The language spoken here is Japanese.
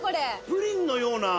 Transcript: プリンのような。